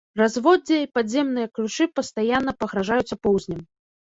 Разводдзе і падземныя ключы пастаянна пагражаюць апоўзнем.